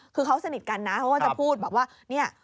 คือเขาสนิทกันนะเขาก็จะพูดแบบว่า